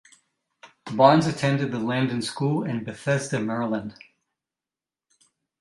Barnes attended the Landon School in Bethesda, Maryland.